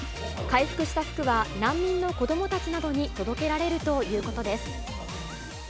回収した服は難民の子どもたちなどに届けられるということです。